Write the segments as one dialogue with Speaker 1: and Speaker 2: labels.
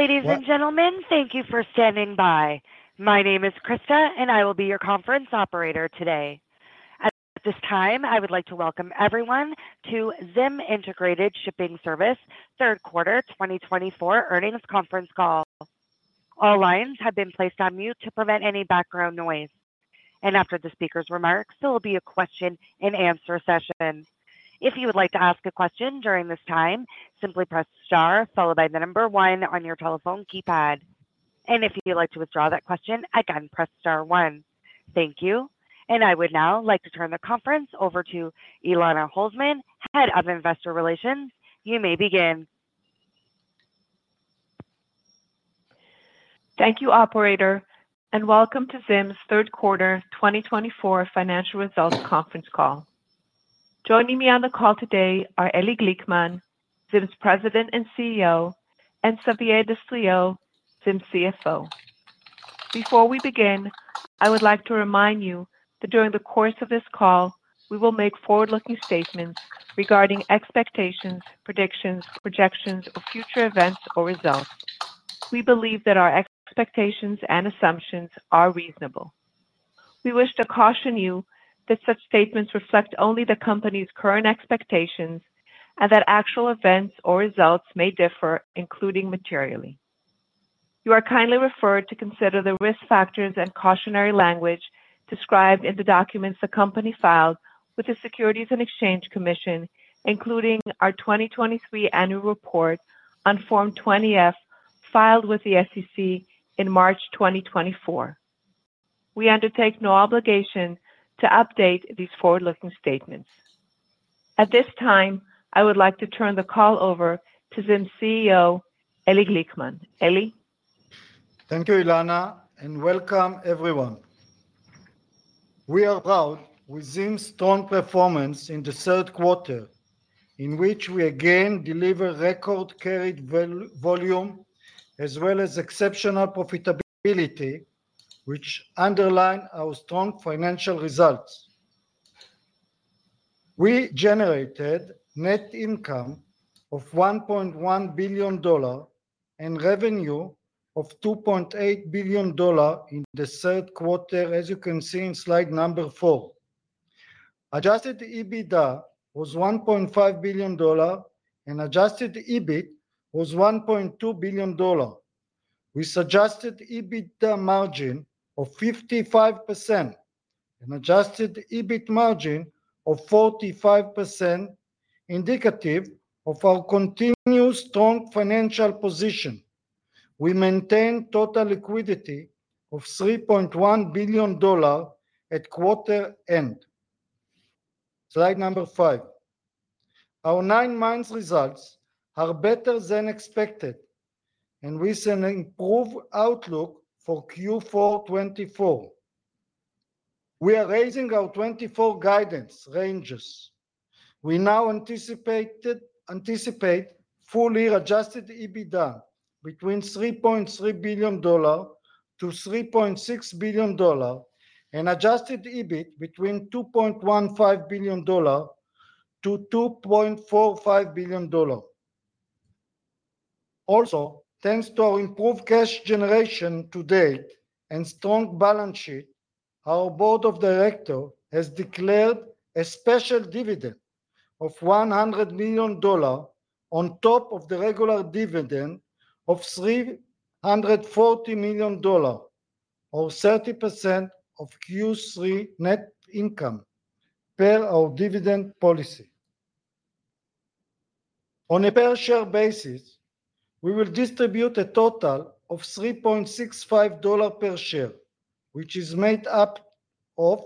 Speaker 1: Ladies and gentlemen, thank you for standing by. My name is Krista, and I will be your conference operator today. At this time, I would like to welcome everyone to ZIM Integrated Shipping Services Third Quarter 2024 Earnings Conference Call. All lines have been placed on mute to prevent any background noise. And after the speaker's remarks, there will be a question-and-answer session. If you would like to ask a question during this time, simply press star followed by the number one on your telephone keypad. And if you'd like to withdraw that question, again, press star one. Thank you. And I would now like to turn the conference over to Elana Holzman, Head of Investor Relations. You may begin.
Speaker 2: Thank you, operator, and welcome to ZIM's Third Quarter 2024 Financial Results Conference Call. Joining me on the call today are Eli Glickman, ZIM's President and CEO, and Xavier Destriau, ZIM CFO. Before we begin, I would like to remind you that during the course of this call, we will make forward-looking statements regarding expectations, predictions, projections, or future events or results. We believe that our expectations and assumptions are reasonable. We wish to caution you that such statements reflect only the company's current expectations and that actual events or results may differ, including materially. You are kindly referred to consider the risk factors and cautionary language described in the documents the company filed with the Securities and Exchange Commission, including our 2023 annual report on Form 20-F filed with the SEC in March 2024. We undertake no obligation to update these forward-looking statements. At this time, I would like to turn the call over to ZIM CEO, Eli Glickman. Eli.
Speaker 3: Thank you, Elana, and welcome everyone. We are proud with ZIM's strong performance in the third quarter, in which we again delivered record-carried volume as well as exceptional profitability, which underlined our strong financial results. We generated net income of $1.1 billion and revenue of $2.8 billion in the third quarter, as you can see in slide number four. Adjusted EBITDA was $1.5 billion, and adjusted EBIT was $1.2 billion. We suggested EBITDA margin of 55% and adjusted EBIT margin of 45%, indicative of our continued strong financial position. We maintained total liquidity of $3.1 billion at quarter end. Slide number five. Our nine-month results are better than expected, and we see an improved outlook for Q4 2024. We are raising our 2024 guidance ranges. We now anticipate fully adjusted EBITDA between $3.3-$3.6 billion and adjusted EBIT between $2.15-$2.45 billion. Also, thanks to our improved cash generation to date and strong balance sheet, our board of directors has declared a special dividend of $100 million on top of the regular dividend of $340 million, or 30% of Q3 net income per our dividend policy. On a per-share basis, we will distribute a total of $3.65 per share, which is made up of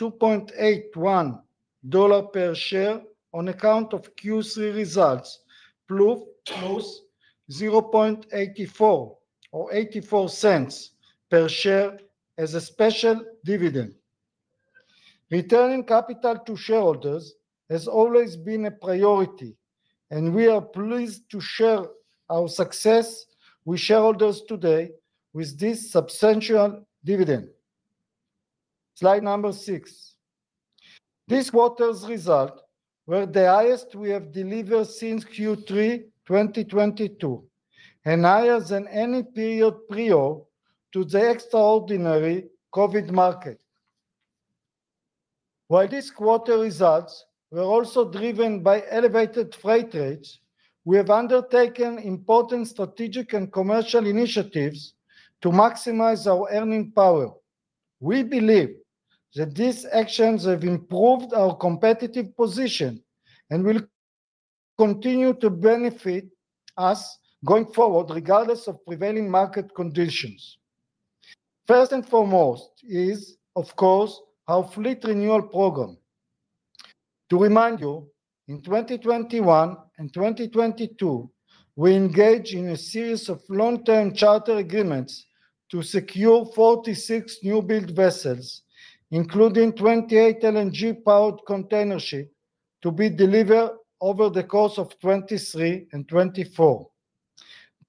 Speaker 3: $2.81 per share on account of Q3 results plus 0.84 per share as a special dividend. Returning capital to shareholders has always been a priority, and we are pleased to share our success with shareholders today with this substantial dividend. Slide number six. This quarter's results were the highest we have delivered since Q3 2022 and higher than any period prior to the extraordinary COVID market. While these quarter results were also driven by elevated freight rates, we have undertaken important strategic and commercial initiatives to maximize our earning power. We believe that these actions have improved our competitive position and will continue to benefit us going forward, regardless of prevailing market conditions. First and foremost is, of course, our fleet renewal program. To remind you, in 2021 and 2022, we engaged in a series of long-term charter agreements to secure 46 new-build vessels, including 28 LNG-powered container ships, to be delivered over the course of 2023 and 2024.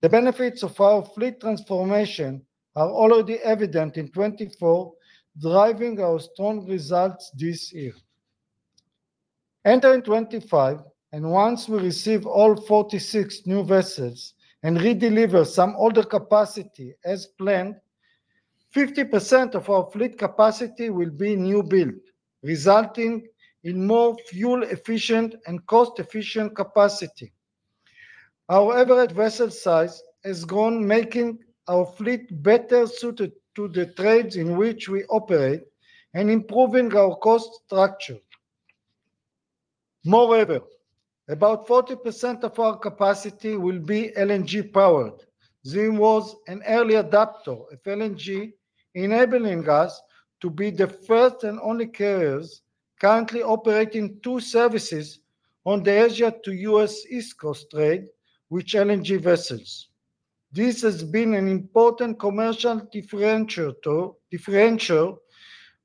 Speaker 3: The benefits of our fleet transformation are already evident in 2024, driving our strong results this year. Entering 2025, and once we receive all 46 new vessels and re-deliver some older capacity as planned, 50% of our fleet capacity will be new-build, resulting in more fuel-efficient and cost-efficient capacity. Our average vessel size has grown, making our fleet better suited to the trades in which we operate and improving our cost structure. Moreover, about 40% of our capacity will be LNG-powered. ZIM was an early adopter of LNG, enabling us to be the first and only carriers currently operating two services on the Asia to U.S. East Coast trade, which are LNG vessels. This has been an important commercial differential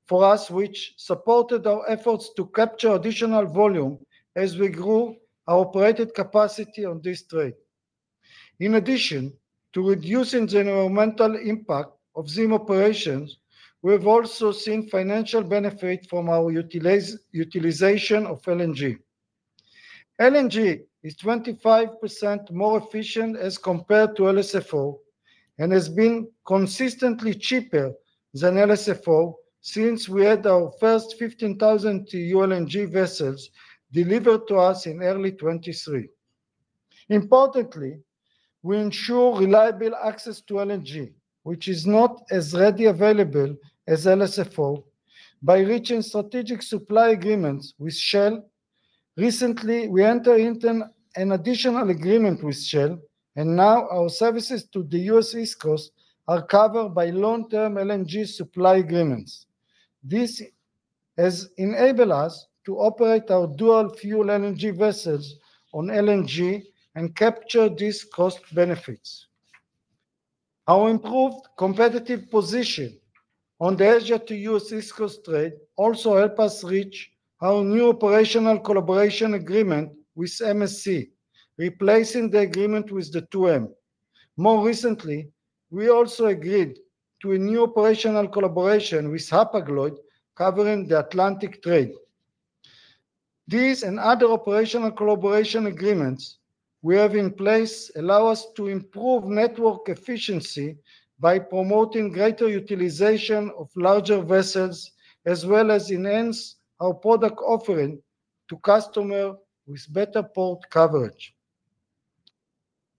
Speaker 3: for us, which supported our efforts to capture additional volume as we grew our operated capacity on this trade. In addition to reducing the environmental impact of ZIM operations, we have also seen financial benefit from our utilization of LNG. LNG is 25% more efficient as compared to LSFO and has been consistently cheaper than LSFO since we had our first 15,000 TEU LNG vessels delivered to us in early 2023. Importantly, we ensure reliable access to LNG, which is not as readily available as LSFO, by reaching strategic supply agreements with Shell. Recently, we entered into an additional agreement with Shell, and now our services to the U.S. East Coast are covered by long-term LNG supply agreements. This has enabled us to operate our dual-fuel LNG vessels on LNG and capture these cost benefits. Our improved competitive position on the Asia to U.S. East Coast trade also helped us reach our new operational collaboration agreement with MSC, replacing the agreement with the 2M. More recently, we also agreed to a new operational collaboration with Hapag-Lloyd, covering the Atlantic trade. These and other operational collaboration agreements we have in place allow us to improve network efficiency by promoting greater utilization of larger vessels, as well as enhance our product offering to customers with better port coverage.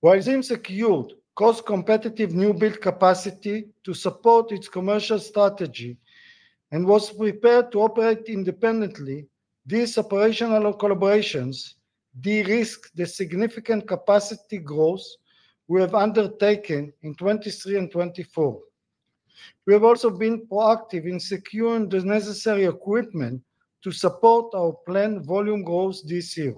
Speaker 3: While ZIM secured cost-competitive new-build capacity to support its commercial strategy and was prepared to operate independently, these operational collaborations de-risk the significant capacity growth we have undertaken in 2023 and 2024. We have also been proactive in securing the necessary equipment to support our planned volume growth this year.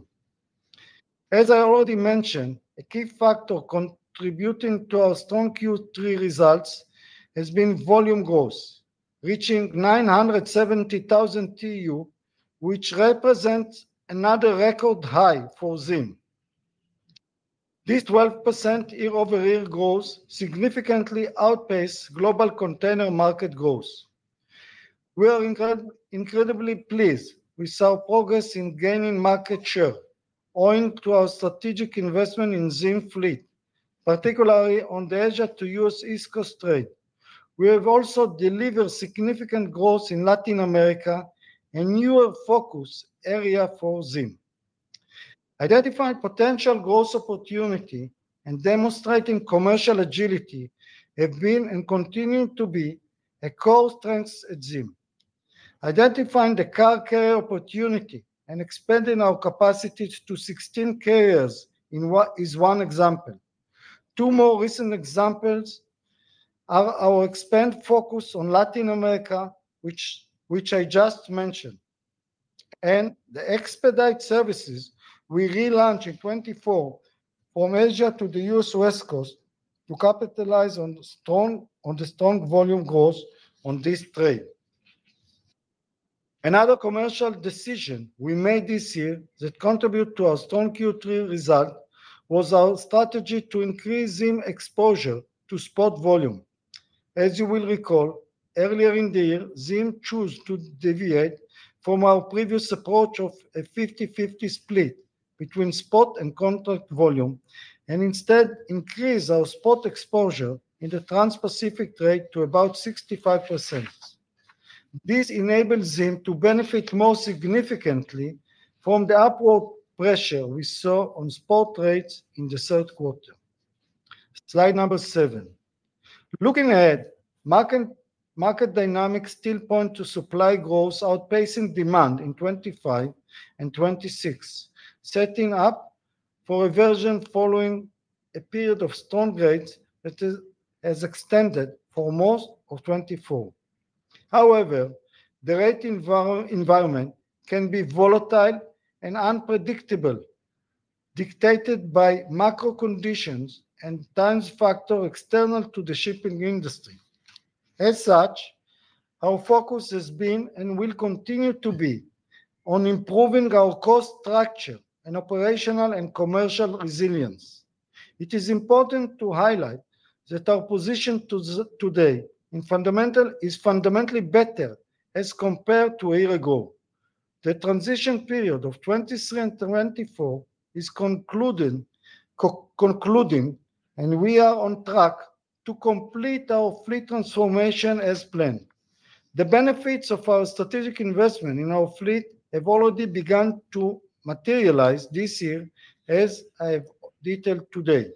Speaker 3: As I already mentioned, a key factor contributing to our strong Q3 results has been volume growth, reaching 970,000 TEU, which represents another record high for ZIM. This 12% year-over-year growth significantly outpaces global container market growth. We are incredibly pleased with our progress in gaining market share, owing to our strategic investment in ZIM fleet, particularly on the Asia to U.S. East Coast trade. We have also delivered significant growth in Latin America and newer focus areas for ZIM. Identifying potential growth opportunities and demonstrating commercial agility have been and continue to be our core strengths at ZIM. Identifying the car carrier opportunity and expanding our capacities to 16 carriers is one example. Two more recent examples are our expanded focus on Latin America, which I just mentioned, and the expedite services we relaunched in 2024 from Asia to the U.S. West Coast to capitalize on the strong volume growth on this trade. Another commercial decision we made this year that contributed to our strong Q3 result was our strategy to increase ZIM exposure to spot volume. As you will recall, earlier in the year, ZIM chose to deviate from our previous approach of a 50/50 split between spot and contract volume and instead increased our spot exposure in the Trans-Pacific trade to about 65%. This enabled ZIM to benefit more significantly from the upward pressure we saw on spot trades in the third quarter. Slide number seven. Looking ahead, market dynamics still point to supply growth outpacing demand in 2025 and 2026, setting up for a reversion following a period of strong rates that has extended for most of 2024. However, the rate environment can be volatile and unpredictable, dictated by macro conditions and time factors external to the shipping industry. As such, our focus has been and will continue to be on improving our cost structure and operational and commercial resilience. It is important to highlight that our position today is fundamentally better as compared to a year ago. The transition period of 2023 and 2024 is concluding, and we are on track to complete our fleet transformation as planned. The benefits of our strategic investment in our fleet have already begun to materialize this year, as I have detailed today.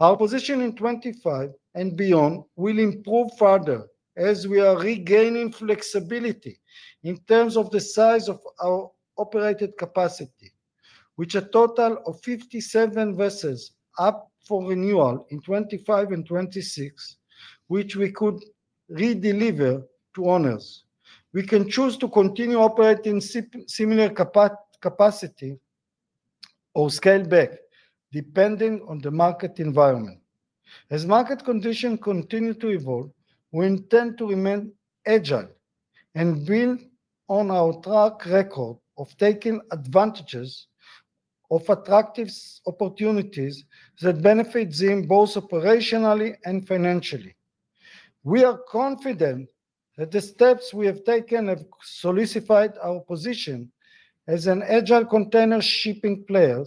Speaker 3: Our position in 2025 and beyond will improve further as we are regaining flexibility in terms of the size of our operated capacity, which is a total of 57 vessels up for renewal in 2025 and 2026, which we could re-deliver to owners. We can choose to continue operating similar capacity or scale back, depending on the market environment. As market conditions continue to evolve, we intend to remain agile and build on our track record of taking advantages of attractive opportunities that benefit ZIM both operationally and financially. We are confident that the steps we have taken have solidified our position as an agile container shipping player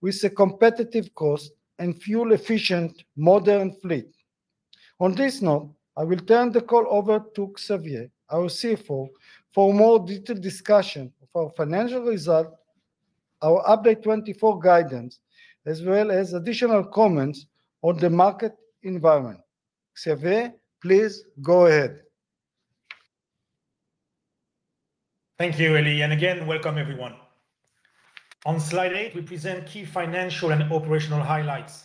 Speaker 3: with a competitive cost and fuel-efficient modern fleet. On this note, I will turn the call over to Xavier, our CFO, for more detailed discussion of our financial results, our updated 2024 guidance, as well as additional comments on the market environment. Xavier, please go ahead.
Speaker 4: Thank you, Eli, and again, welcome everyone. On slide eight, we present key financial and operational highlights.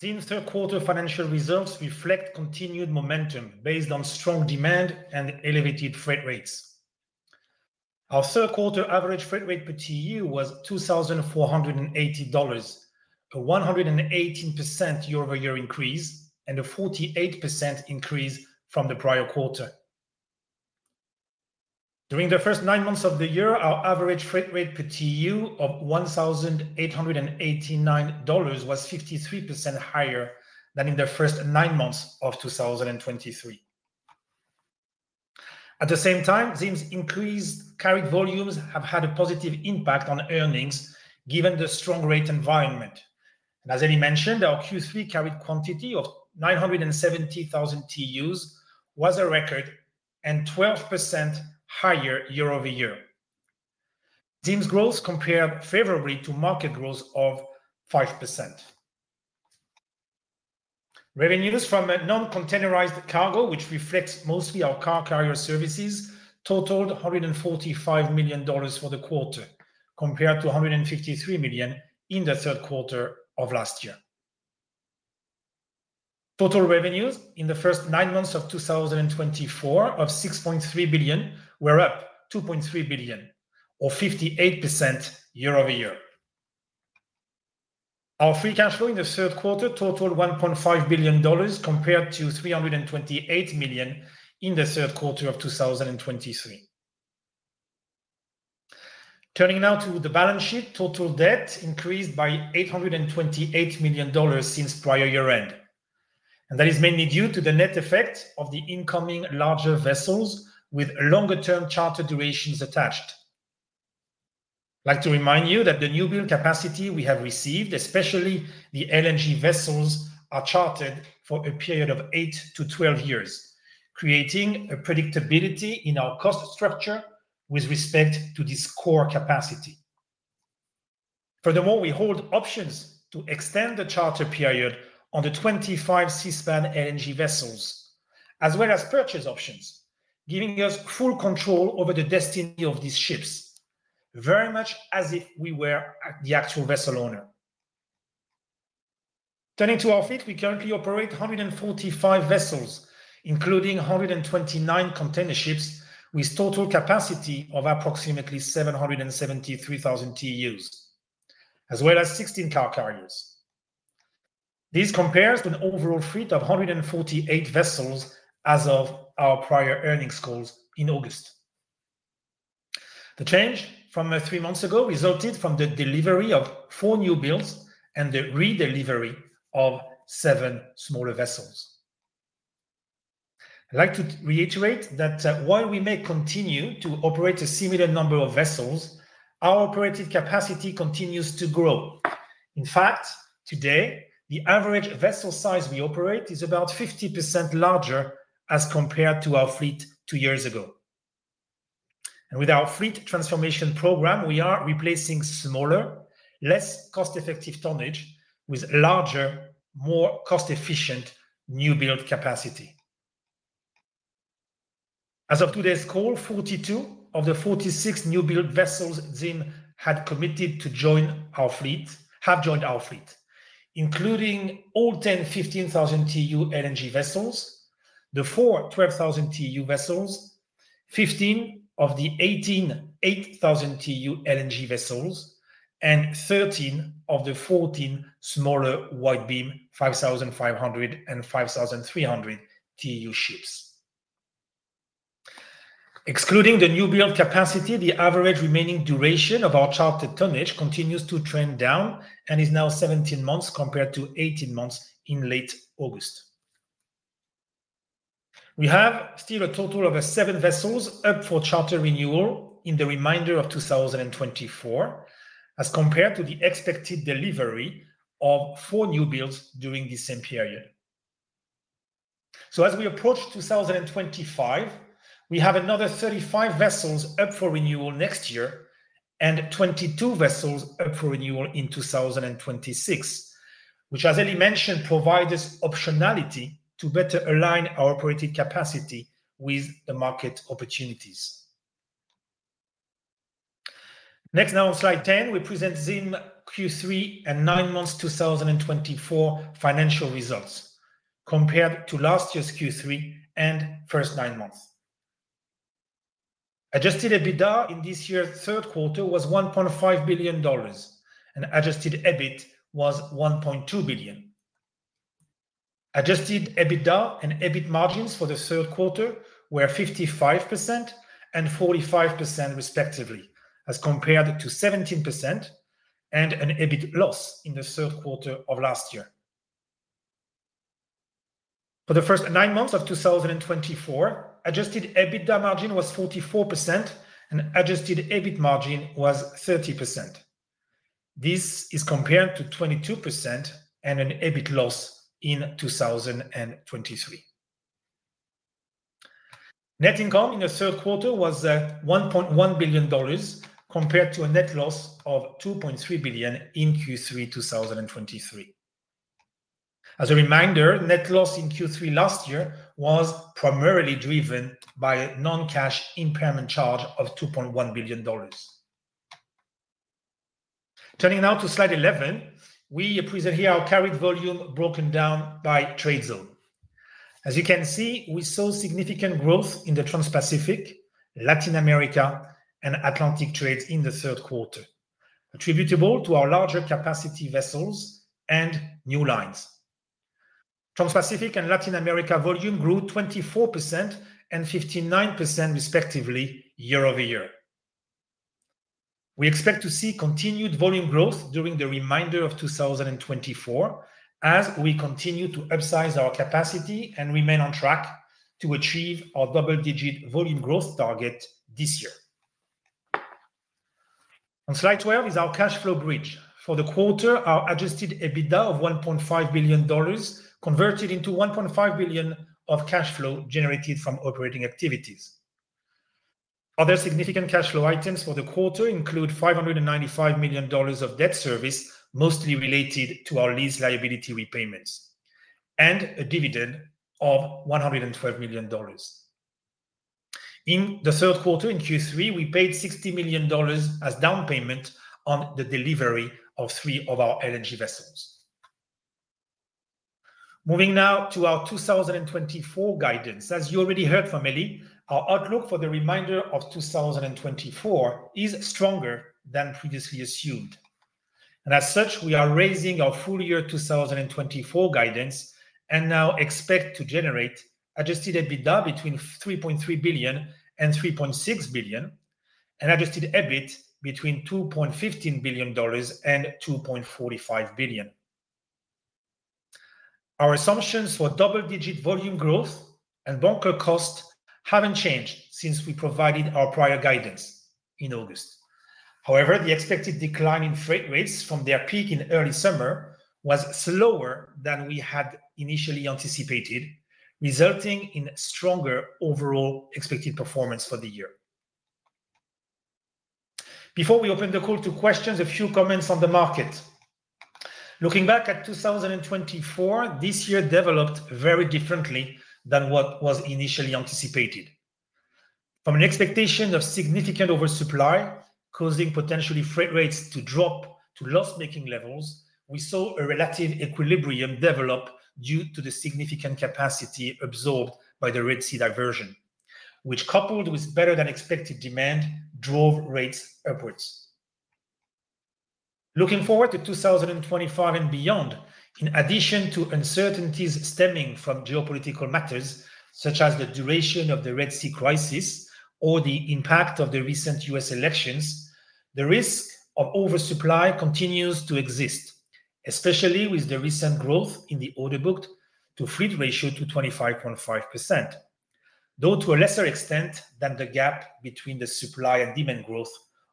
Speaker 4: ZIM's third-quarter financial results reflect continued momentum based on strong demand and elevated freight rates. Our third-quarter average freight rate per TEU was $2,480, a 118% year-over-year increase and a 48% increase from the prior quarter. During the first nine months of the year, our average freight rate per TEU of $1,889 was 53% higher than in the first nine months of 2023. At the same time, ZIM's increased carried volumes have had a positive impact on earnings given the strong rate environment. As Eli mentioned, our Q3 carried quantity of 970,000 TEUs was a record and 12% higher year-over-year. ZIM's growth compared favorably to market growth of 5%. Revenues from non-containerized cargo, which reflects mostly our car carrier services, totaled $145 million for the quarter, compared to $153 million in the third quarter of last year. Total revenues in the first nine months of 2024 of $6.3 billion were up $2.3 billion, or 58% year-over-year. Our Free Cash Flow in the third quarter totaled $1.5 billion, compared to $328 million in the third quarter of 2023. Turning now to the balance sheet, total debt increased by $828 million since prior year-end. That is mainly due to the net effect of the incoming larger vessels with longer-term charter durations attached. I'd like to remind you that the new-build capacity we have received, especially the LNG vessels, are chartered for a period of 8-12 years, creating a predictability in our cost structure with respect to this core capacity. Furthermore, we hold options to extend the charter period on the 25 Seaspan LNG vessels, as well as purchase options, giving us full control over the destiny of these ships, very much as if we were the actual vessel owner. Turning to our fleet, we currently operate 145 vessels, including 129 container ships, with a total capacity of approximately 773,000 TEUs, as well as 16 car carriers. This compares to an overall fleet of 148 vessels as of our prior earnings calls in August. The change from three months ago resulted from the delivery of four new builds and the re-delivery of seven smaller vessels. I'd like to reiterate that while we may continue to operate a similar number of vessels, our operated capacity continues to grow. In fact, today, the average vessel size we operate is about 50% larger as compared to our fleet two years ago. With our fleet transformation program, we are replacing smaller, less cost-effective tonnage with larger, more cost-efficient new-build capacity. As of today's call, 42 of the 46 new-build vessels ZIM had committed to join our fleet have joined our fleet, including all 10 15,000 TEU LNG vessels, the four 12,000 TEU vessels, 15 of the 18 8,000 TEU LNG vessels, and 13 of the 14 smaller wide beam 5,500 and 5,300 TEU ships. Excluding the new-build capacity, the average remaining duration of our chartered tonnage continues to trend down and is now 17 months compared to 18 months in late August. We have still a total of seven vessels up for charter renewal in the remainder of 2024, as compared to the expected delivery of four new builds during the same period. So as we approach 2025, we have another 35 vessels up for renewal next year and 22 vessels up for renewal in 2026, which, as Eli mentioned, provides us optionality to better align our operating capacity with the market opportunities. Next, now on slide 10, we present ZIM Q3 and nine months 2024 financial results compared to last year's Q3 and first nine months. Adjusted EBITDA in this year's third quarter was $1.5 billion, and adjusted EBIT was $1.2 billion. Adjusted EBITDA and EBIT margins for the third quarter were 55% and 45%, respectively, as compared to 17% and an EBIT loss in the third quarter of last year. For the first nine months of 2024, adjusted EBITDA margin was 44%, and adjusted EBIT margin was 30%. This is compared to 22% and an EBIT loss in 2023. Net income in the third quarter was $1.1 billion, compared to a net loss of $2.3 billion in Q3 2023. As a reminder, net loss in Q3 last year was primarily driven by a non-cash impairment charge of $2.1 billion. Turning now to slide 11, we present here our carried volume broken down by trade zone. As you can see, we saw significant growth in the Trans-Pacific, Latin America, and Atlantic trades in the third quarter, attributable to our larger capacity vessels and new lines. Trans-Pacific and Latin America volume grew 24% and 59%, respectively, year-over-year. We expect to see continued volume growth during the remainder of 2024 as we continue to upsize our capacity and remain on track to achieve our double-digit volume growth target this year. On slide 12 is our Cash Flow Bridge. For the quarter, our adjusted EBITDA of $1.5 billion converted into $1.5 billion of cash flow generated from operating activities. Other significant cash flow items for the quarter include $595 million of debt service, mostly related to our lease liability repayments, and a dividend of $112 million. In the third quarter, in Q3, we paid $60 million as down payment on the delivery of three of our LNG vessels. Moving now to our 2024 guidance. As you already heard from Eli, our outlook for the remainder of 2024 is stronger than previously assumed. And as such, we are raising our full year 2024 guidance and now expect to generate adjusted EBITDA between $3.3 billion and $3.6 billion, and adjusted EBIT between $2.15 billion and $2.45 billion. Our assumptions for double-digit volume growth and bunker cost haven't changed since we provided our prior guidance in August. However, the expected decline in freight rates from their peak in early summer was slower than we had initially anticipated, resulting in stronger overall expected performance for the year. Before we open the call to questions, a few comments on the market. Looking back at 2024, this year developed very differently than what was initially anticipated. From an expectation of significant oversupply causing potentially freight rates to drop to loss-making levels, we saw a relative equilibrium develop due to the significant capacity absorbed by the Red Sea diversion, which, coupled with better-than-expected demand, drove rates upwards. Looking forward to 2025 and beyond, in addition to uncertainties stemming from geopolitical matters such as the duration of the Red Sea crisis or the impact of the recent U.S. elections, the risk of oversupply continues to exist, especially with the recent growth in the orderbook-to-fleet ratio to 25.5%, though to a lesser extent than the gap between the supply and demand growth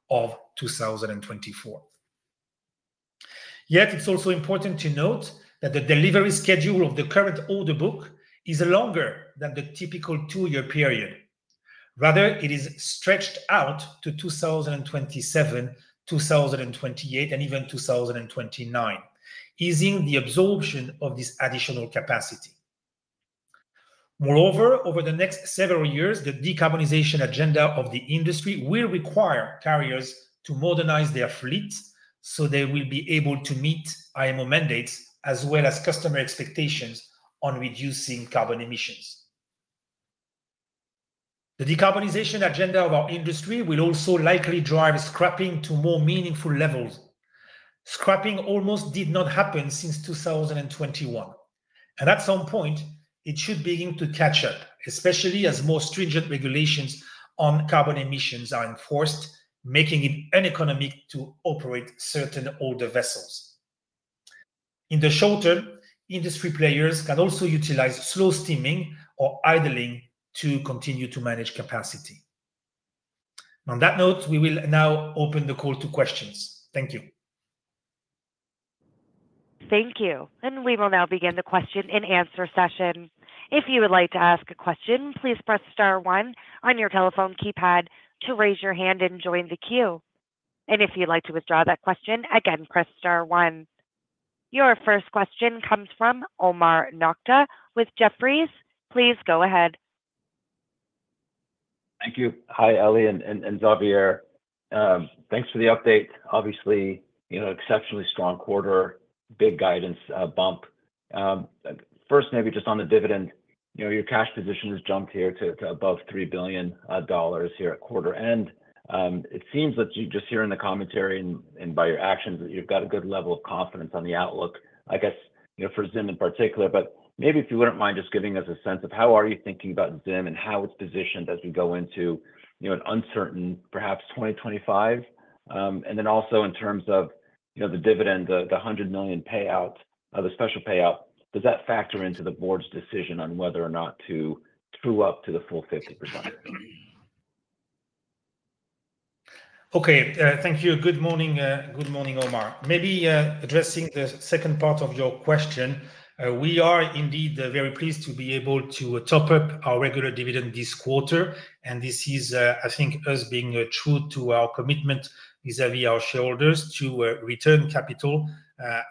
Speaker 4: of 2024. Yet, it is also important to note that the delivery schedule of the current order book is longer than the typical two-year period. Rather, it is stretched out to 2027, 2028, and even 2029, easing the absorption of this additional capacity. Moreover, over the next several years, the decarbonization agenda of the industry will require carriers to modernize their fleet so they will be able to meet IMO mandates as well as customer expectations on reducing carbon emissions. The decarbonization agenda of our industry will also likely drive scrapping to more meaningful levels. Scrapping almost did not happen since 2021, and at some point, it should begin to catch up, especially as more stringent regulations on carbon emissions are enforced, making it uneconomic to operate certain older vessels. In the short term, industry players can also utilize slow steaming or idling to continue to manage capacity. On that note, we will now open the call to questions. Thank you.
Speaker 1: Thank you, and we will now begin the question and answer session. If you would like to ask a question, please press star one on your telephone keypad to raise your hand and join the queue. And if you'd like to withdraw that question, again, press star one. Your first question comes from Omar Nokta with Jefferies. Please go ahead.
Speaker 5: Thank you. Hi, Eli and Xavier. Thanks for the update. Obviously, exceptionally strong quarter, big guidance bump. First, maybe just on the dividend, your cash position has jumped here to above $3 billion here at quarter end. It seems that you just hear in the commentary and by your actions that you've got a good level of confidence on the outlook, I guess, for ZIM in particular. But maybe if you wouldn't mind just giving us a sense of how are you thinking about ZIM and how it's positioned as we go into an uncertain, perhaps, 2025. And then also in terms of the dividend, the $100 million payout, the special payout, does that factor into the board's decision on whether or not to true up to the full 50%?
Speaker 4: Okay. Thank you. Good morning, Omar. Maybe addressing the second part of your question, we are indeed very pleased to be able to top up our regular dividend this quarter, and this is, I think, us being true to our commitment vis-à-vis our shareholders to return capital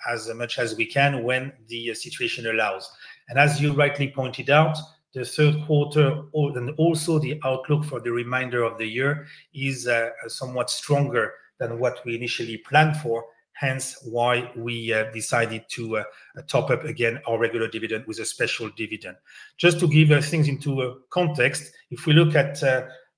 Speaker 4: as much as we can when the situation allows, and as you rightly pointed out, the third quarter and also the outlook for the remainder of the year is somewhat stronger than what we initially planned for, hence why we decided to top up again our regular dividend with a special dividend. Just to give things into context, if we look at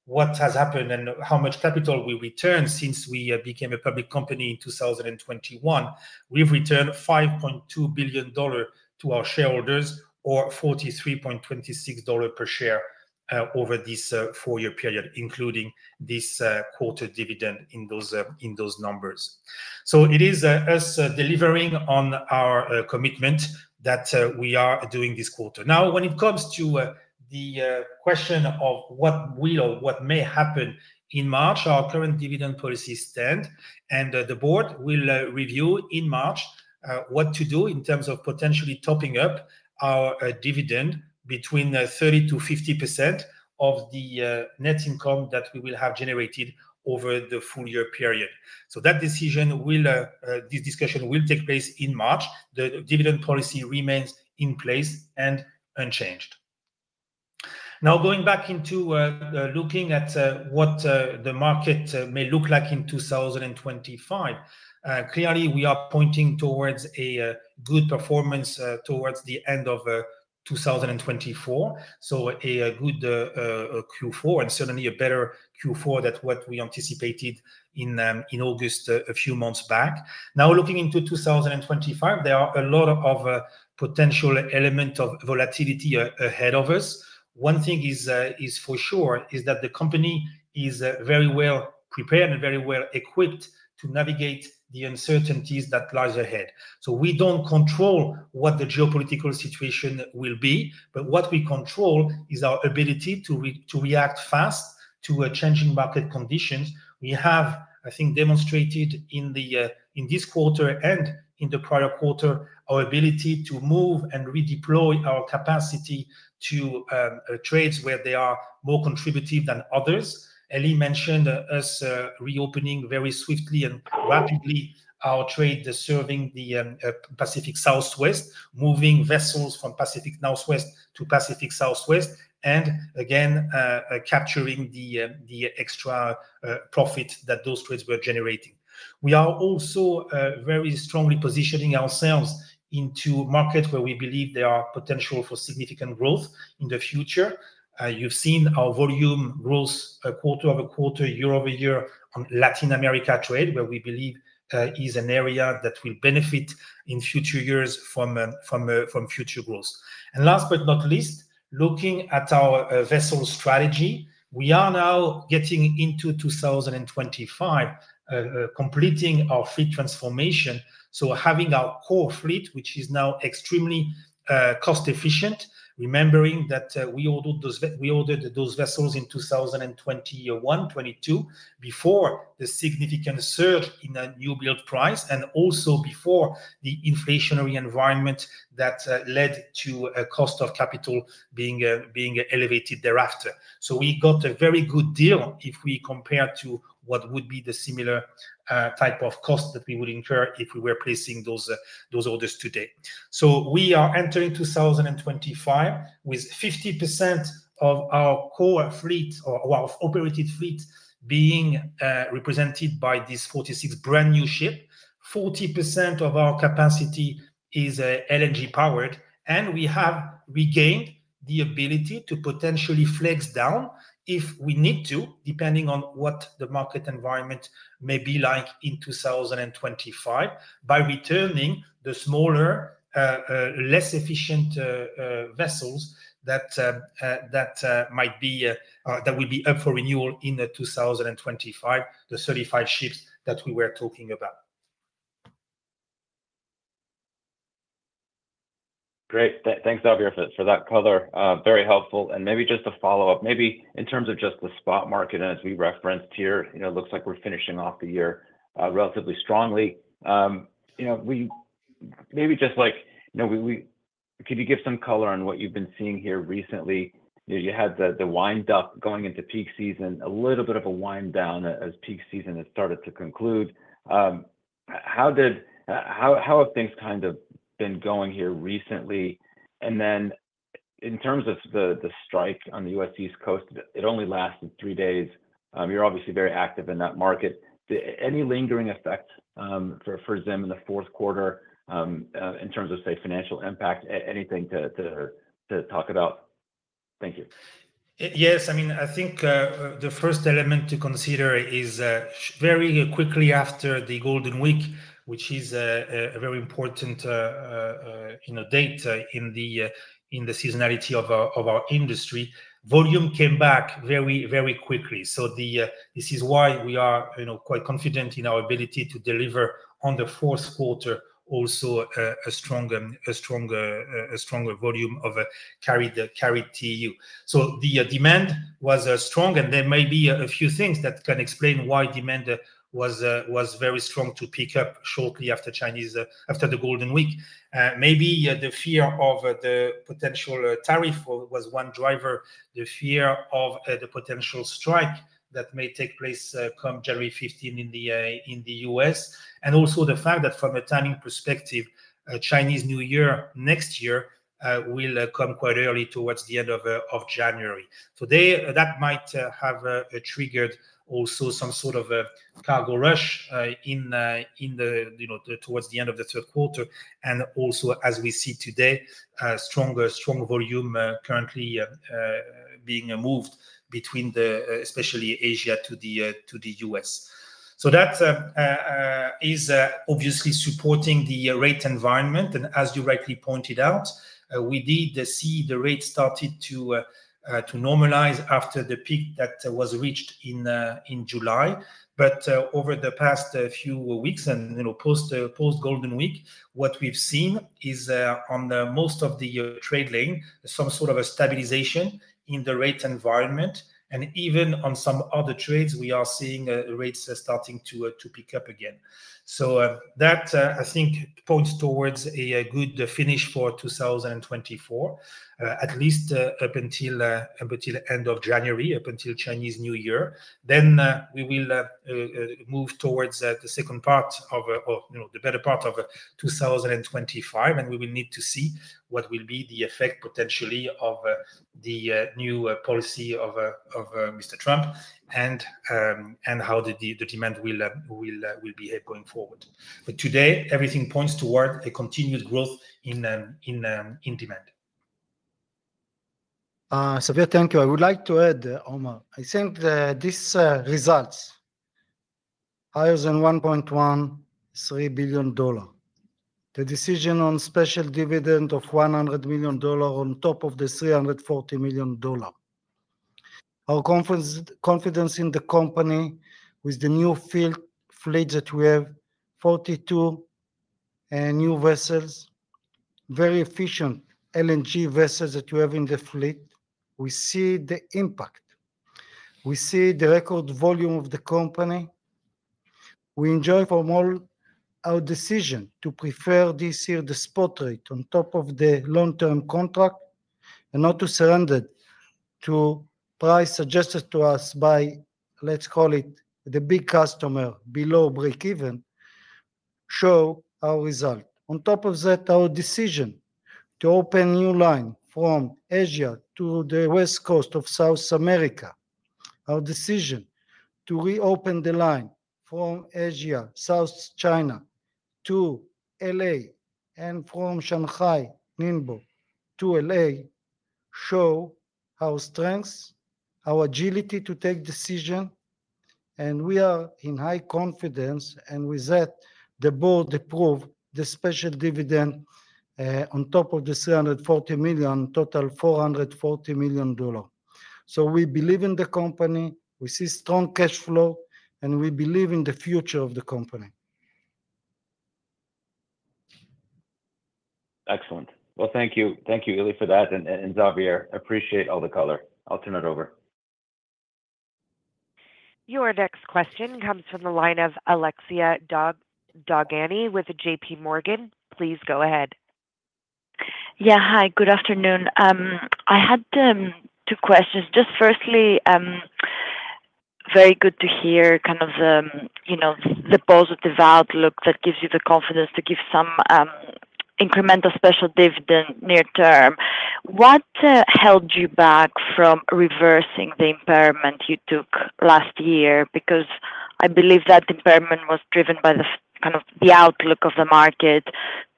Speaker 4: what has happened and how much capital we returned since we became a public company in 2021, we've returned $5.2 billion to our shareholders, or $43.26 per share over this four-year period, including this quarter dividend in those numbers. So it is us delivering on our commitment that we are doing this quarter. Now, when it comes to the question of what will or what may happen in March, our current dividend policy stands, and the board will review in March what to do in terms of potentially topping up our dividend between 30%-50% of the net income that we will have generated over the full year period. So that decision, this discussion will take place in March. The dividend policy remains in place and unchanged. Now, going back into looking at what the market may look like in 2025, clearly, we are pointing towards a good performance towards the end of 2024, so a good Q4 and certainly a better Q4 than what we anticipated in August a few months back. Now, looking into 2025, there are a lot of potential elements of volatility ahead of us. One thing is for sure is that the company is very well prepared and very well equipped to navigate the uncertainties that lie ahead. So we don't control what the geopolitical situation will be, but what we control is our ability to react fast to changing market conditions. We have, I think, demonstrated in this quarter and in the prior quarter our ability to move and redeploy our capacity to trades where they are more contributive than others. Eli mentioned us reopening very swiftly and rapidly our trade serving the Pacific Southwest, moving vessels from Pacific Northwest to Pacific Southwest, and again, capturing the extra profit that those trades were generating. We are also very strongly positioning ourselves into markets where we believe there are potential for significant growth in the future. You've seen our volume growth quarter over quarter, year over year on Latin America trade, where we believe is an area that will benefit in future years from future growth. And last but not least, looking at our vessel strategy, we are now getting into 2025, completing our fleet transformation. So having our core fleet, which is now extremely cost-efficient, remembering that we ordered those vessels in 2021, 2022, before the significant surge in new build price and also before the inflationary environment that led to a cost of capital being elevated thereafter. So we got a very good deal if we compare to what would be the similar type of cost that we would incur if we were placing those orders today. So we are entering 2025 with 50% of our core fleet or operated fleet being represented by this 46 brand new ship. 40% of our capacity is LNG powered, and we have regained the ability to potentially flex down if we need to, depending on what the market environment may be like in 2025, by returning the smaller, less efficient vessels that will be up for renewal in 2025, the 35 ships that we were talking about.
Speaker 5: Great. Thanks, Xavier, for that color. Very helpful. And maybe just to follow up, maybe in terms of just the spot market, and as we referenced here, it looks like we're finishing off the year relatively strongly. Maybe just like, can you give some color on what you've been seeing here recently? You had the wind-up going into peak season, a little bit of a wind-down as peak season had started to conclude. How have things kind of been going here recently? In terms of the strike on the U.S. East Coast, it only lasted three days. You're obviously very active in that market. Any lingering effect for ZIM in the fourth quarter in terms of, say, financial impact? Anything to talk about? Thank you.
Speaker 4: Yes. I mean, I think the first element to consider is very quickly after the Golden Week, which is a very important date in the seasonality of our industry, volume came back very, very quickly. So this is why we are quite confident in our ability to deliver on the fourth quarter also a stronger volume of carried TEU. So the demand was strong, and there may be a few things that can explain why demand was very strong to pick up shortly after the Golden Week. Maybe the fear of the potential tariff was one driver, the fear of the potential strike that may take place come January 15 in the U.S., and also the fact that from a timing perspective, Chinese New Year next year will come quite early towards the end of January. Today, that might have triggered also some sort of a cargo rush towards the end of the third quarter. And also, as we see today, strong volume currently being moved between especially Asia to the U.S. So that is obviously supporting the rate environment. And as you rightly pointed out, we did see the rate started to normalize after the peak that was reached in July. But over the past few weeks and post-Golden Week, what we've seen is on most of the trade lane, some sort of a stabilization in the rate environment. Even on some other trades, we are seeing rates starting to pick up again. That, I think, points towards a good finish for 2024, at least up until the end of January, up until Chinese New Year. We will move towards the second part of the better part of 2025, and we will need to see what will be the effect potentially of the new policy of Mr. Trump and how the demand will behave going forward. Today, everything points toward a continued growth in demand.
Speaker 3: Xavier, thank you. I would like to add, Omar. I think these results: higher than $1.13 billion, the decision on special dividend of $100 million on top of the $340 million. Our confidence in the company with the new fleet that we have, 42 new vessels, very efficient LNG vessels that we have in the fleet. We see the impact. We see the record volume of the company. We enjoy from all our decision to prefer this year the spot rate on top of the long-term contract and not to surrender to price suggested to us by, let's call it, the big customer below break-even, show our result. On top of that, our decision to open new line from Asia to the West Coast of South America, our decision to reopen the line from Asia, South China to LA, and from Shanghai, Ningbo to LA show our strengths, our agility to take decision, and we are in high confidence, and with that, the board approved the special dividend on top of the $340 million, total $440 million, so we believe in the company. We see strong cash flow, and we believe in the future of the company.
Speaker 5: Excellent, well, thank you. Thank you, Eli, for that. And Xavier, I appreciate all the color. I'll turn it over.
Speaker 1: Your next question comes from the line of Alexia Dogani with J.P. Morgan. Please go ahead.
Speaker 6: Yeah. Hi. Good afternoon. I had two questions. Just firstly, very good to hear kind of the positive outlook that gives you the confidence to give some incremental special dividend near term. What held you back from reversing the impairment you took last year? Because I believe that impairment was driven by kind of the outlook of the market.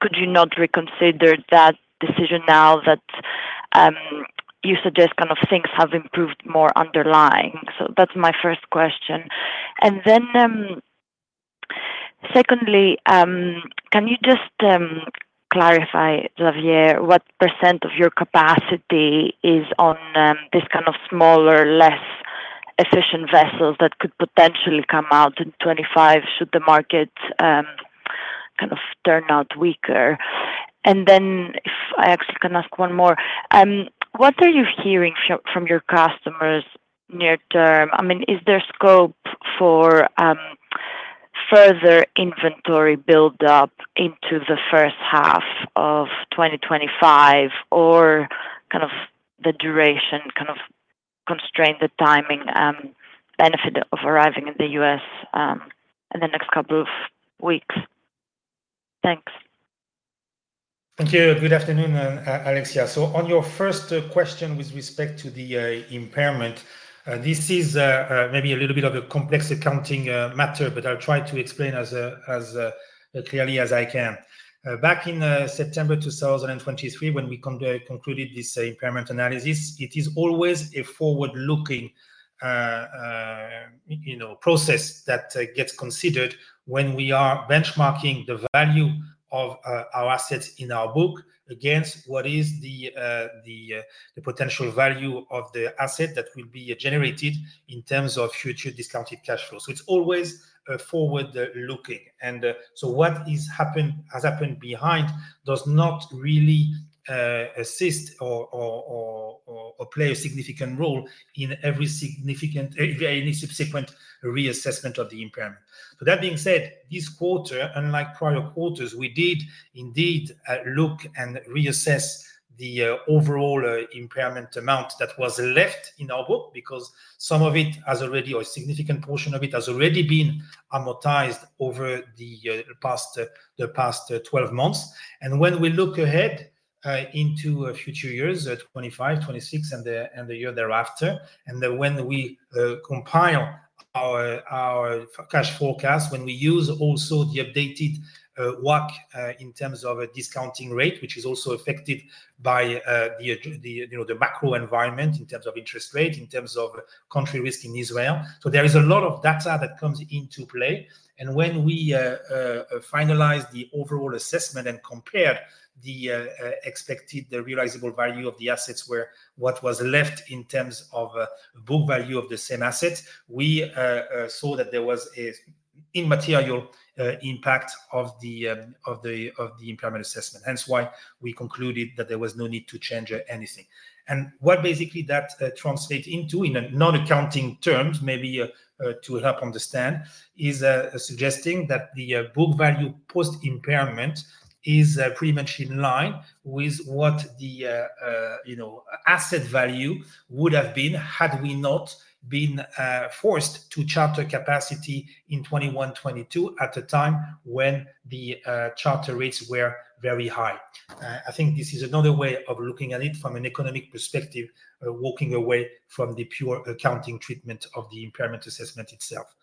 Speaker 6: Could you not reconsider that decision now that you suggest kind of things have improved more underlying? So that's my first question. And then secondly, can you just clarify, Xavier, what % of your capacity is on this kind of smaller, less efficient vessels that could potentially come out in 2025 should the market kind of turn out weaker? Then if I actually can ask one more, what are you hearing from your customers near term? I mean, is there scope for further inventory build-up into the first half of 2025, or kind of the duration kind of constrain the timing benefit of arriving in the U.S. in the next couple of weeks? Thanks.
Speaker 4: Thank you. Good afternoon, Alexia. So on your first question with respect to the impairment, this is maybe a little bit of a complex accounting matter, but I'll try to explain as clearly as I can. Back in September 2023, when we concluded this impairment analysis, it is always a forward-looking process that gets considered when we are benchmarking the value of our assets in our book against what is the potential value of the asset that will be generated in terms of future discounted cash flow. So it's always forward-looking. What has happened behind does not really assist or play a significant role in every significant subsequent reassessment of the impairment. So that being said, this quarter, unlike prior quarters, we did indeed look and reassess the overall impairment amount that was left in our book because some of it has already or a significant portion of it has already been amortized over the past 12 months. When we look ahead into future years, 2025, 2026, and the year thereafter, and when we compile our cash forecast, when we use also the updated WACC in terms of a discounting rate, which is also affected by the macro environment in terms of interest rate, in terms of country risk in Israel. So there is a lot of data that comes into play. And when we finalize the overall assessment and compare the expected realizable value of the assets where what was left in terms of book value of the same assets, we saw that there was an immaterial impact of the impairment assessment. Hence why we concluded that there was no need to change anything. And what basically that translates into in non-accounting terms, maybe to help understand, is suggesting that the book value post-impairment is pretty much in line with what the asset value would have been had we not been forced to charter capacity in 2021, 2022 at a time when the charter rates were very high. I think this is another way of looking at it from an economic perspective, walking away from the pure accounting treatment of the impairment assessment itself.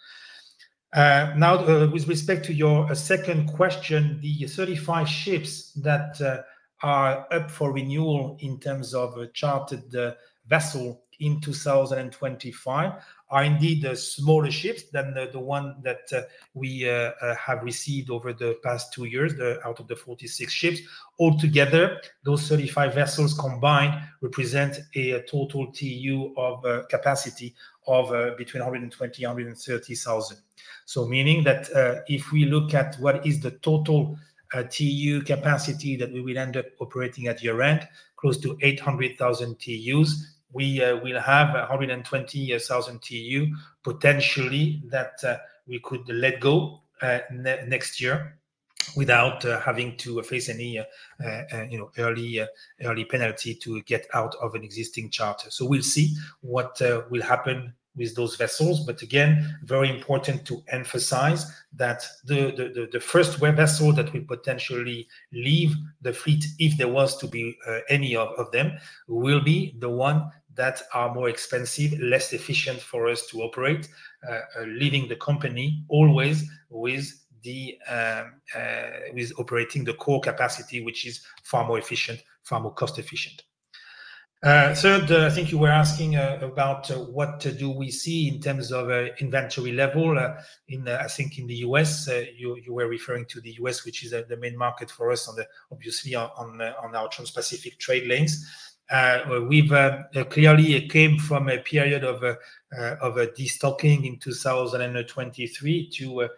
Speaker 4: Now, with respect to your second question, the 35 ships that are up for renewal in terms of chartered vessel in 2025 are indeed smaller ships than the one that we have received over the past two years out of the 46 ships. Altogether, those 35 vessels combined represent a total TEU capacity of between 120,000-130,000. So meaning that if we look at what is the total TEU capacity that we will end up operating at year-end, close to 800,000 TEUs, we will have 120,000 TEU potentially that we could let go next year without having to face any early penalty to get out of an existing charter. So we'll see what will happen with those vessels. But again, very important to emphasize that the first vessel that will potentially leave the fleet, if there was to be any of them, will be the one that are more expensive, less efficient for us to operate, leaving the company always with operating the core capacity, which is far more efficient, far more cost-efficient. Third, I think you were asking about what do we see in terms of inventory level. I think in the U.S., you were referring to the U.S., which is the main market for us, obviously, on our Trans-Pacific trade lanes. We've clearly come from a period of destocking in 2023 to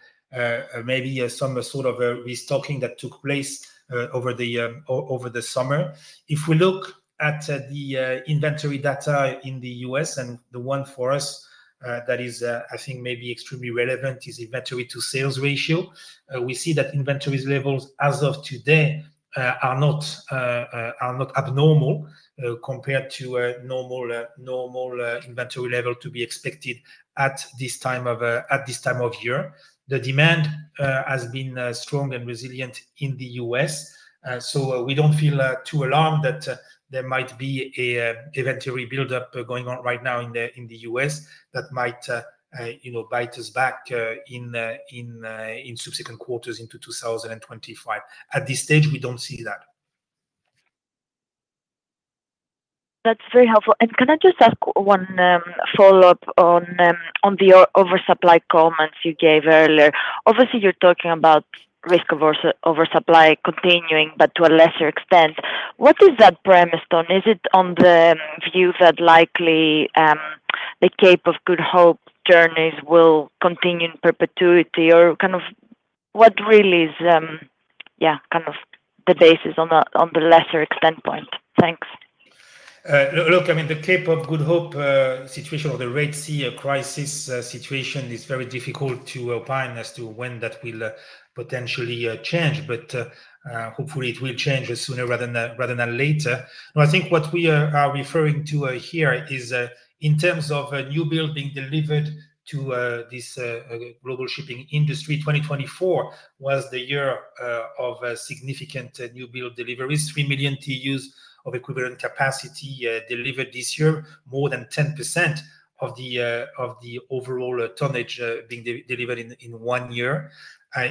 Speaker 4: maybe some sort of restocking that took place over the summer. If we look at the inventory data in the U.S., and the one for us that is, I think, maybe extremely relevant is inventory-to-sales ratio, we see that inventory levels as of today are not abnormal compared to a normal inventory level to be expected at this time of year. The demand has been strong and resilient in the U.S. So we don't feel too alarmed that there might be an inventory build-up going on right now in the U.S. that might bite us back in subsequent quarters into 2025. At this stage, we don't see that.
Speaker 6: That's very helpful, and can I just ask one follow-up on the oversupply comments you gave earlier? Obviously, you're talking about risk of oversupply continuing, but to a lesser extent. What is that premise on? Is it on the view that likely the Cape of Good Hope journeys will continue in perpetuity? Or kind of what really is, yeah, kind of the basis on the lesser extent point? Thanks.
Speaker 4: Look, I mean, the Cape of Good Hope situation or the Red Sea crisis situation is very difficult to opine as to when that will potentially change, but hopefully, it will change sooner rather than later. I think what we are referring to here is in terms of new build being delivered to this global shipping industry. 2024 was the year of significant new build deliveries, 3 million TEUs of equivalent capacity delivered this year, more than 10% of the overall tonnage being delivered in one year.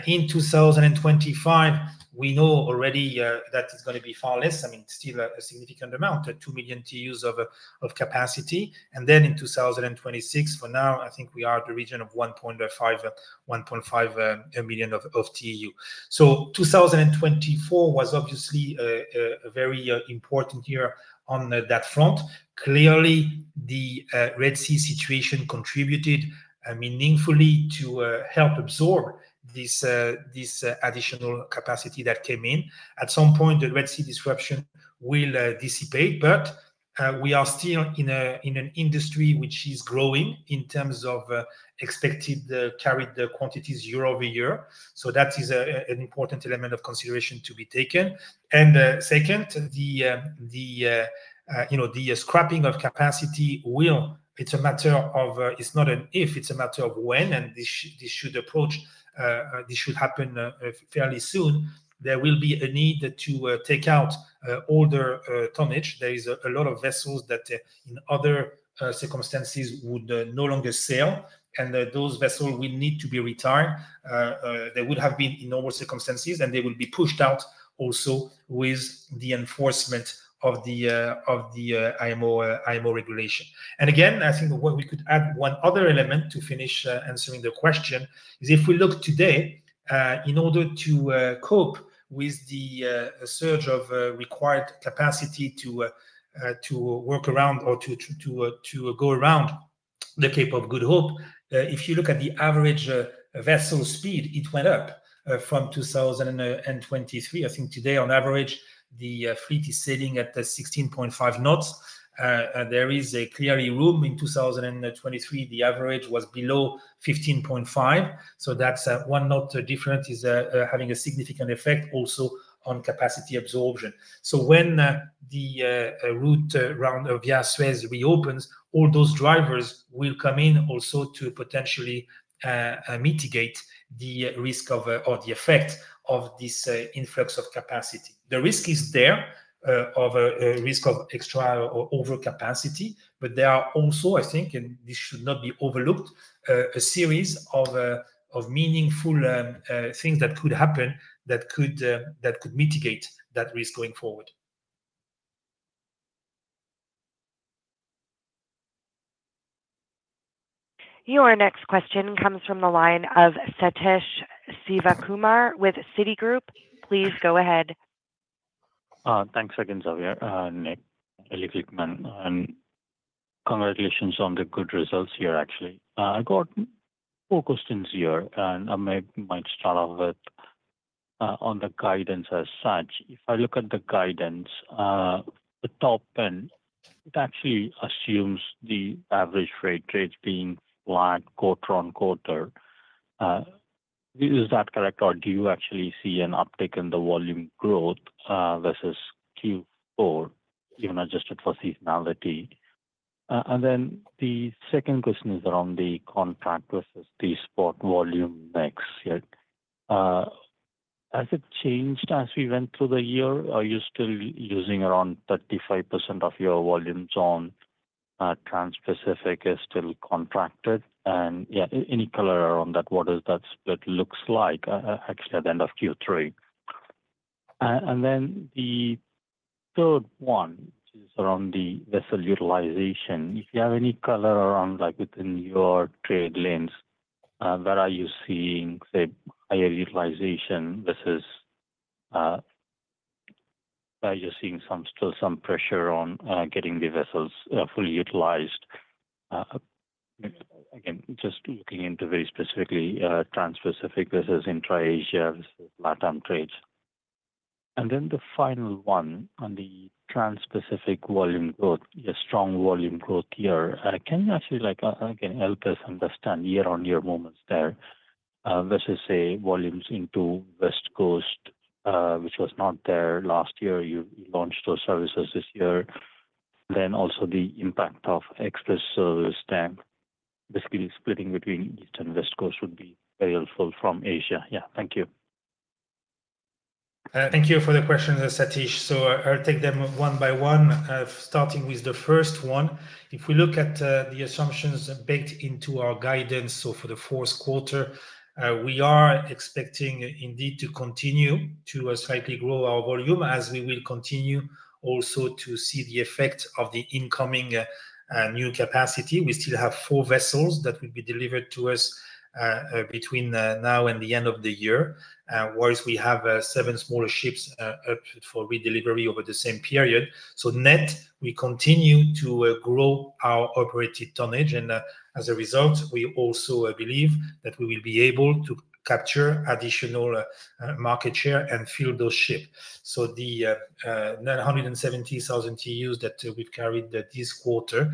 Speaker 4: In 2025, we know already that it's going to be far less. I mean, still a significant amount, 2 million TEUs of capacity. And then in 2026, for now, I think we are at the region of 1.5 million of TEU. 2024 was obviously a very important year on that front. Clearly, the Red Sea situation contributed meaningfully to help absorb this additional capacity that came in. At some point, the Red Sea disruption will dissipate, but we are still in an industry which is growing in terms of expected carried quantities year over year. That is an important element of consideration to be taken. And second, the scrapping of capacity will. It's a matter of. It's not an if. It's a matter of when, and this should approach. This should happen fairly soon. There will be a need to take out older tonnage. There is a lot of vessels that in other circumstances would no longer sail, and those vessels will need to be retired. There would have been in normal circumstances, and they will be pushed out also with the enforcement of the IMO regulation. And again, I think we could add one other element to finish answering the question: if we look today, in order to cope with the surge of required capacity to work around or to go around the Cape of Good Hope, if you look at the average vessel speed, it went up from 2023. I think today, on average, the fleet is sitting at 16.5 knots. There is a clear room in 2023. The average was below 15.5. So that's one knot different is having a significant effect also on capacity absorption. So when the route around via Suez reopens, all those drivers will come in also to potentially mitigate the risk of or the effect of this influx of capacity. The risk is there of risk of extra overcapacity, but there are also, I think, and this should not be overlooked, a series of meaningful things that could happen that could mitigate that risk going forward.
Speaker 1: Your next question comes from the line of Sathish Sivakumar with Citigroup. Please go ahead.
Speaker 7: Thanks again, Xavier, Nick, Eli Glickman. Congratulations on the good results here, actually. I got four questions here, and I might start off with on the guidance as such. If I look at the guidance, the top end, it actually assumes the average freight rates being flat quarter on quarter. Is that correct, or do you actually see an uptick in the volume growth versus Q4, even adjusted for seasonality? And then the second question is around the contract versus the spot volume mix. Has it changed as we went through the year? Are you still using around 35% of your volume on Trans-Pacific? Trans-Pacific is still contracted. Yeah, any color around that? What does that split look like actually at the end of Q3? Then the third one, which is around the vessel utilization. If you have any color around within your trade lanes, where are you seeing, say, higher utilization versus are you seeing still some pressure on getting the vessels fully utilized? Again, just looking into very specifically Trans-Pacific versus Intra-Asia versus LATAM trades. Then the final one on the Trans-Pacific volume growth, your strong volume growth here. Can you actually again help us understand year-on-year movements there versus say volumes into West Coast, which was not there last year? You launched those services this year. Then also the impact of express services basically splitting between East and West Coast would be very helpful from Asia. Yeah, thank you.
Speaker 4: Thank you for the questions, Satyash. So I'll take them one by one, starting with the first one. If we look at the assumptions baked into our guidance, so for the fourth quarter, we are expecting indeed to continue to slightly grow our volume as we will continue also to see the effect of the incoming new capacity. We still have four vessels that will be delivered to us between now and the end of the year, whereas we have seven smaller ships up for redelivery over the same period. So net, we continue to grow our operated tonnage. And as a result, we also believe that we will be able to capture additional market share and fill those ships. So the 170,000 TEUs that we've carried this quarter,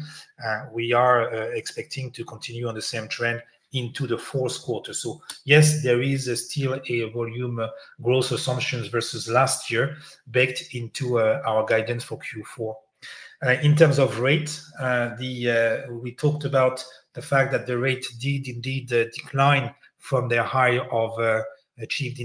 Speaker 4: we are expecting to continue on the same trend into the fourth quarter. So yes, there is still a volume growth assumptions versus last year baked into our guidance for Q4. In terms of rate, we talked about the fact that the rate did indeed decline from their high of achieved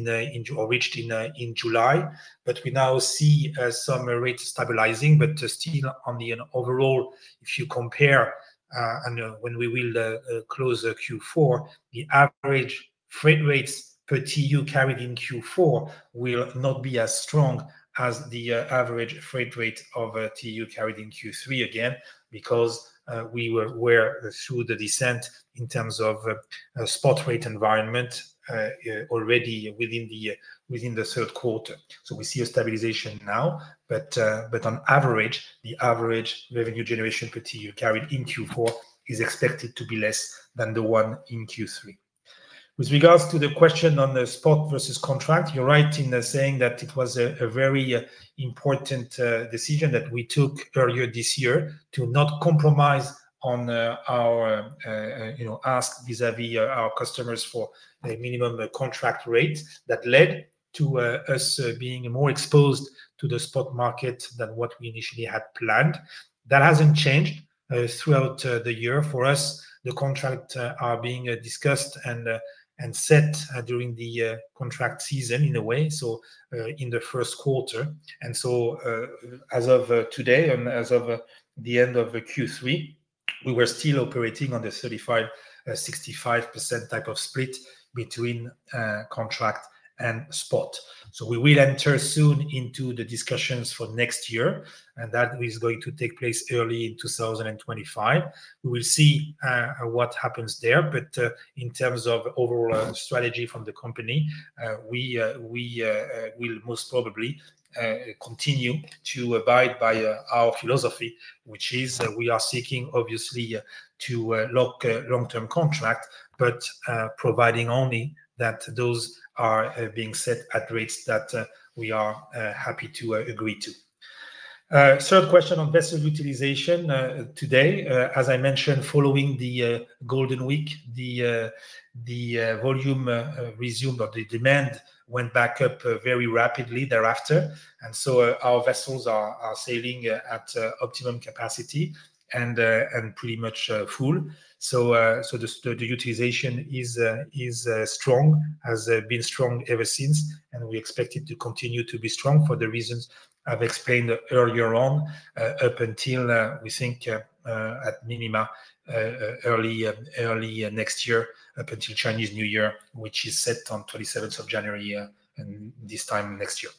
Speaker 4: or reached in July, but we now see some rate stabilizing, but still on the overall, if you compare, and when we will close Q4, the average freight rates per TEU carried in Q4 will not be as strong as the average freight rate of TEU carried in Q3 again, because we were through the descent in terms of spot rate environment already within the third quarter. So we see a stabilization now, but on average, the average revenue generation per TEU carried in Q4 is expected to be less than the one in Q3. With regards to the question on the spot versus contract, you're right in saying that it was a very important decision that we took earlier this year to not compromise on our ask vis-à-vis our customers for a minimum contract rate that led to us being more exposed to the spot market than what we initially had planned. That hasn't changed throughout the year. For us, the contracts are being discussed and set during the contract season in a way, so in the first quarter. And so as of today and as of the end of Q3, we were still operating on the 35%-65% type of split between contract and spot. So we will enter soon into the discussions for next year, and that is going to take place early in 2025. We will see what happens there. But in terms of overall strategy from the company, we will most probably continue to abide by our philosophy, which is we are seeking, obviously, to lock long-term contract, but providing only that those are being set at rates that we are happy to agree to. Third question on vessel utilization today. As I mentioned, following the Golden Week, the volume resumed or the demand went back up very rapidly thereafter. And so our vessels are sailing at optimum capacity and pretty much full. So the utilization is strong, has been strong ever since, and we expect it to continue to be strong for the reasons I've explained earlier on, up until we think at minimum early next year, up until Chinese New Year, which is set on 27th of January and this time next year.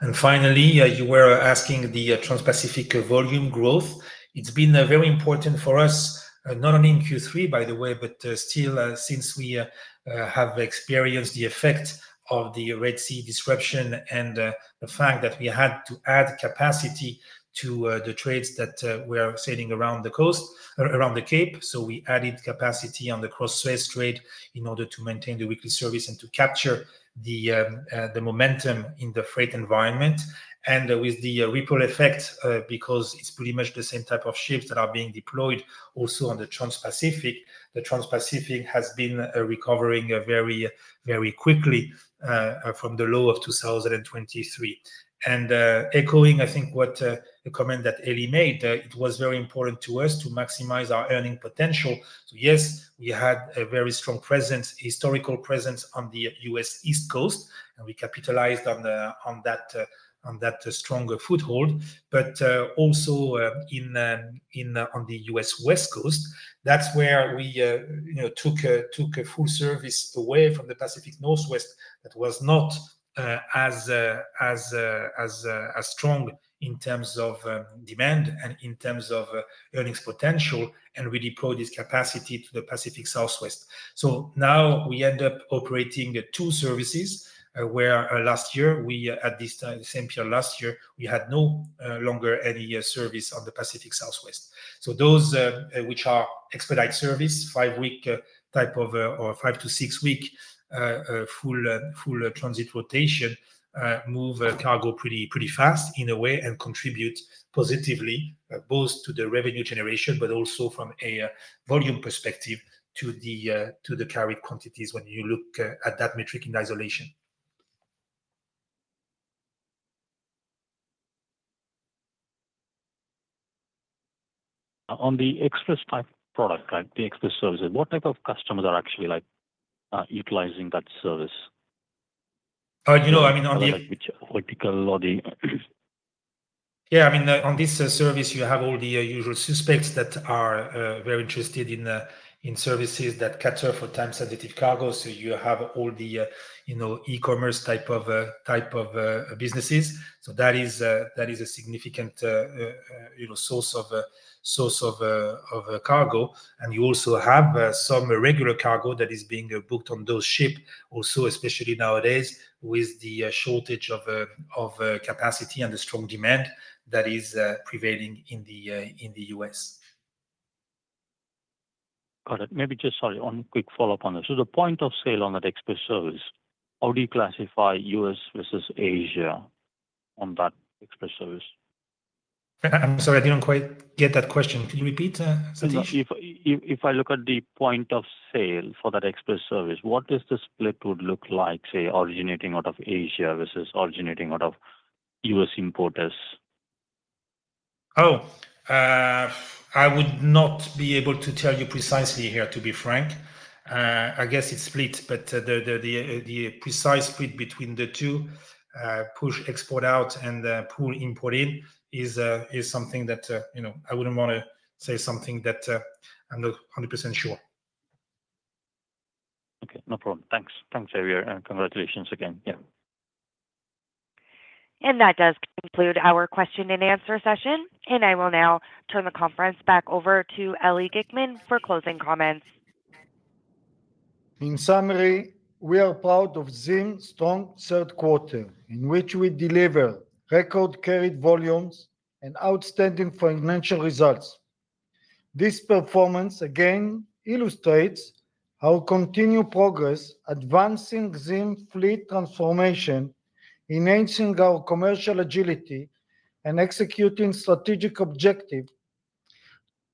Speaker 4: And finally, you were asking the Trans-Pacific volume growth. It's been very important for us, not only in Q3, by the way, but still since we have experienced the effect of the Red Sea disruption and the fact that we had to add capacity to the trades that were sailing around the coast, around the Cape. So we added capacity on the Cross Suez trade in order to maintain the weekly service and to capture the momentum in the freight environment. And with the ripple effect, because it's pretty much the same type of ships that are being deployed also on the Trans-Pacific, the Trans-Pacific has been recovering very, very quickly from the low of 2023. And echoing, I think, what the comment that Eli made, it was very important to us to maximize our earning potential. So yes, we had a very strong presence, historical presence on the U.S. East Coast, and we capitalized on that strong foothold, but also on the U.S. West Coast. That's where we took a full service away from the Pacific Northwest that was not as strong in terms of demand and in terms of earnings potential, and we deployed this capacity to the Pacific Southwest. So now we end up operating two services where last year, at this same period last year, we had no longer any service on the Pacific Southwest. So those which are expedite service, five-week type of or five- to six-week full transit rotation move cargo pretty fast in a way and contribute positively both to the revenue generation, but also from a volume perspective to the carried quantities when you look at that metric in isolation.
Speaker 7: On the express type product, the express services, what type of customers are actually utilizing that service?
Speaker 4: Yeah, I mean, on this service, you have all the usual suspects that are very interested in services that cater for time-sensitive cargo. So you have all the e-commerce type of businesses. So that is a significant source of cargo. And you also have some regular cargo that is being booked on those ships also, especially nowadays with the shortage of capacity and the strong demand that is prevailing in the U.S.
Speaker 7: Got it. Maybe just, sorry, one quick follow-up on this. So the point of sale on that express service, how do you classify U.S. versus Asia on that express service?
Speaker 4: I'm sorry, I didn't quite get that question. Could you repeat, Sathish?
Speaker 7: If I look at the point of sale for that express service, what does the split look like, say, originating out of Asia versus originating out of U.S. importers?
Speaker 4: Oh, I would not be able to tell you precisely here, to be frank. I guess it's split, but the precise split between the two, push export out and pull import in, is something that I wouldn't want to say something that I'm not 100% sure.
Speaker 7: Okay, no problem. Thanks. Thanks, Xavier. Congratulations again. Yeah.
Speaker 1: And that does conclude our question and answer session. And I will now turn the conference back over to Eli Glickman for closing comments.
Speaker 3: In summary, we are proud of ZIM's strong third quarter, in which we deliver record-carried volumes and outstanding financial results. This performance again illustrates our continued progress, advancing ZIM fleet transformation, enhancing our commercial agility, and executing strategic objectives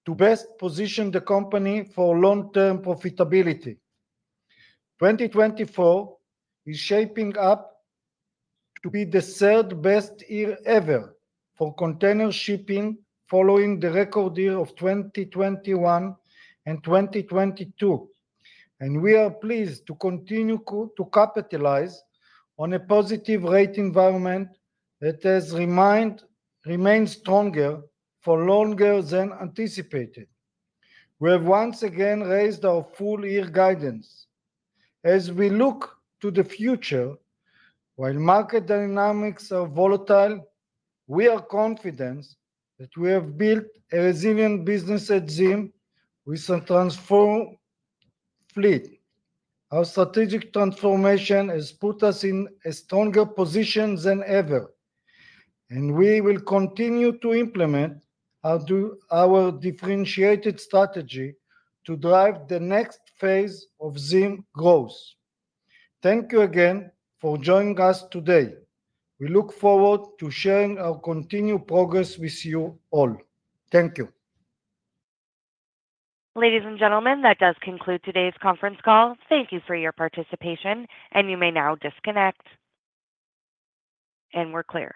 Speaker 3: to best position the company for long-term profitability. 2024 is shaping up to be the third best year ever for container shipping following the record year of 2021 and 2022, and we are pleased to continue to capitalize on a positive rate environment that has remained stronger for longer than anticipated. We have once again raised our full-year guidance. As we look to the future, while market dynamics are volatile, we are confident that we have built a resilient business at ZIM with a transformed fleet. Our strategic transformation has put us in a stronger position than ever, and we will continue to implement our differentiated strategy to drive the next phase of ZIM growth. Thank you again for joining us today. We look forward to sharing our continued progress with you all. Thank you.
Speaker 1: Ladies and gentlemen, that does conclude today's conference call. Thank you for your participation, and you may now disconnect. And we're clear.